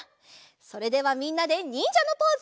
それではみんなでにんじゃのポーズ。